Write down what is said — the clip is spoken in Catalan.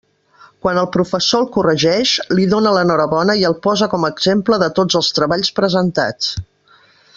Quan el professor el corregeix, li dóna l'enhorabona i el posa com a exemple de tots els treballs presentats.